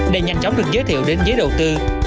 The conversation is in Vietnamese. để nhanh chóng được giới thiệu đến giới đầu tư